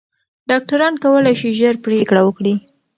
ډاکټران کولی شي ژر پریکړه وکړي.